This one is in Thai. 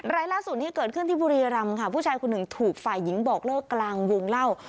รายล่าสุดที่เกิดขึ้นที่บุรีรำค่ะผู้ชายคนหนึ่งถูกฝ่ายหญิงบอกเลิกกลางวงเล่า